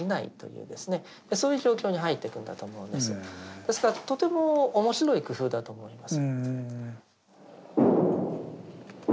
ですからとても面白い工夫だと思います。